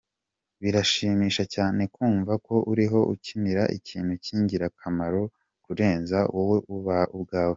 Birashimisha cyane kumva ko uriho ukinira ikintu cy’ingirakamaro kurenza wowe ubwawe.